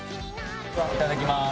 いただきます。